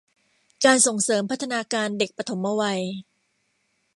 การส่งเสริมพัฒนาการเด็กปฐมวัย